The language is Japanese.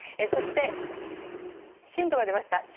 そして震度が出ました。